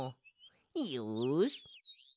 よし！